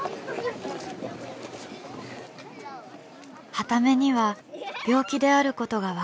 はた目には病気であることがわからない